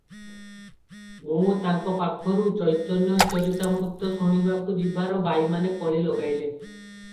ମୁଁ ତାଙ୍କ ପାଖକୁ ଚୈତନ୍ୟ ଚରିତାମୃତ ଶୁଣିବାକୁ ଯିବାରୁ ଭାଇମାନେ କଳି ଲଗାଇଲେ ।